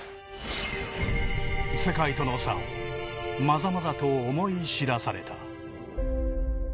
世界との差をまざまざと思い知らされた。